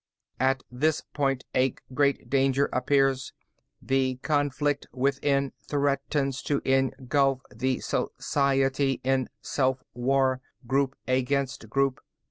"At this point, a great danger appears. The conflict within threatens to engulf the society in self war, group against group.